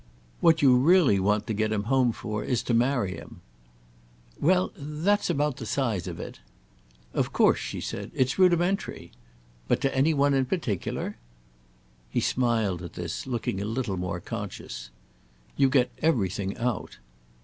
What you really want to get him home for is to marry him." "Well, that's about the size of it." "Of course," she said, "it's rudimentary. But to any one in particular?" He smiled at this, looking a little more conscious. "You get everything out."